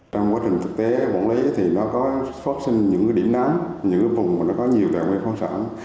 trong quá trình thực tế quản lý thì nó có phát sinh những điểm nắm những vùng có nhiều thạng nguyên khoáng sản